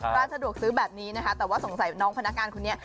ร้านสะดวกซื้อแบบนี้นะคะแต่ว่าสงสัยน้องพนักงานคนนี้